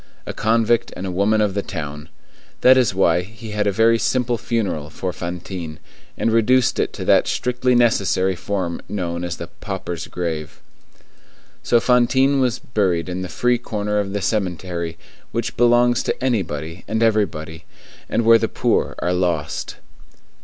A convict and a woman of the town. That is why he had a very simple funeral for Fantine, and reduced it to that strictly necessary form known as the pauper's grave. So Fantine was buried in the free corner of the cemetery which belongs to anybody and everybody, and where the poor are lost.